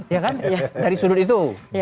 ya kan dari sudut itu